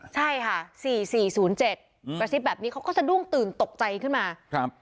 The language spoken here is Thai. ใช่ค่ะสี่สี่ศูนย์เจ็ดกระซิบแบบนี้เขาก็สะดุ้งตื่นตกใจขึ้นมาครับ